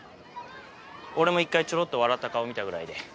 俺も１回ちょろっと笑った顔見たぐらいで。